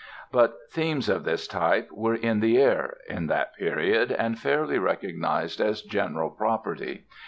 But themes of this type were "in the air" in that period and fairly recognized as general property.